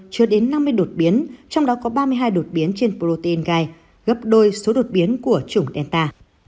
chưa đến năm mươi đột biến trong đó có ba mươi hai đột biến trên protein gai gấp đôi số đột biến của chủng delta